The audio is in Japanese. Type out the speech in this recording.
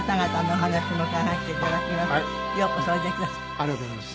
ありがとうございます。